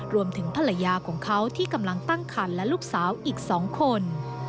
รวมถึงภรรยาของเขาที่กำลังตั้งคันและลูกสาวอีก๒คน